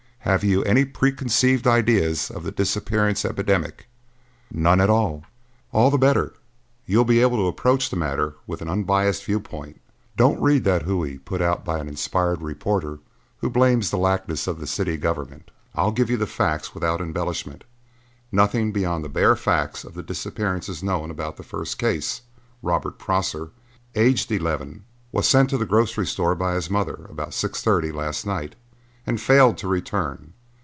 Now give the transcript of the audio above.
Have you any preconceived ideas on the disappearance epidemic?" "None at all." "All the better you'll be able to approach the matter with an unbiased viewpoint. Don't read that hooey put out by an inspired reporter who blames the laxness of the city government; I'll give you the facts without embellishment. Nothing beyond the bare fact of the disappearance is known about the first case. Robert Prosser, aged eleven, was sent to the grocery store by his mother about six thirty last night and failed to return.